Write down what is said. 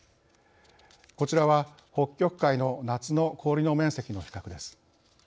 こちらは北極海の夏の氷の面積の比較です。